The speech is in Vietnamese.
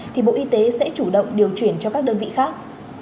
thì bộ y tế sẽ chủ động điều chuyển cho các đơn vị khác